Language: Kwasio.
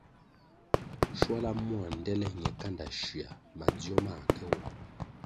Schuala mua ndtele ñe kanda schuia madzio mãh ke wo.